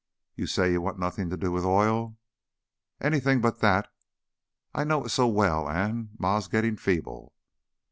"You say you want nothing to do with oil?" "Anything but that. I know it so well, an' Ma's gettin' feeble."